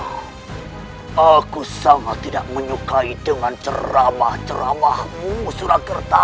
hai aku sangat tidak menyukai dengan ceramah ceramahmu surakerta